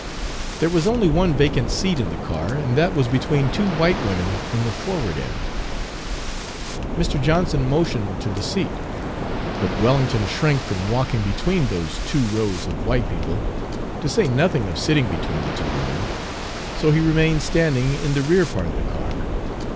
There was only one vacant seat in the car and that was between two white women in the forward end. Mr. Johnson motioned to the seat, but Wellington shrank from walking between those two rows of white people, to say nothing of sitting between the two women, so he remained standing in the rear part of the car.